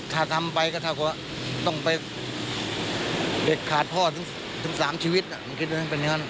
ถ้าทำไปก็ถ้าต้องไปเด็กขาดพ่อถึงสามชีวิตมันคิดว่าจะเป็นยังไง